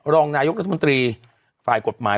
รองนายกรัฐมนตรีฝ่ายกฎหมาย